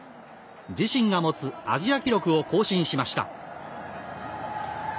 自身が持つアジア記録を更新しました。